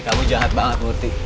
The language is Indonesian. kamu jahat banget murti